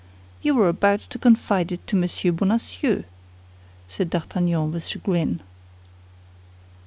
"You were about to confide it to Monsieur Bonacieux," said D'Artagnan, with chagrin.